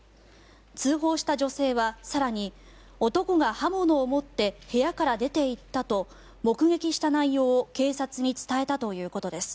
通報した女性は更に男が刃物を持って部屋から出ていったと目撃した内容を警察に伝えたということです。